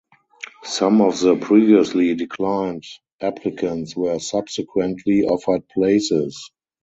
Some of the previously declined applicants were subsequently offered places.